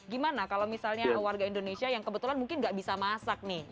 gimana kalau misalnya warga indonesia yang kebetulan mungkin nggak bisa masak nih